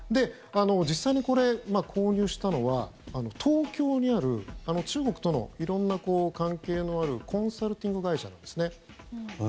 実際にこれ、購入したのは東京にある中国との色んな関係のあるコンサルティング会社なんです。